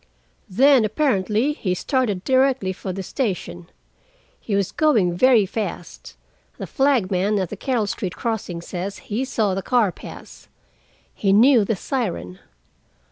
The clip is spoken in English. Then, apparently, he started directly for the station. He was going very fast—the flagman at the Carol Street crossing says he saw the car pass. He knew the siren.